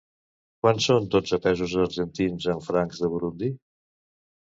Quant són dotze pesos argentins en francs de Burundi?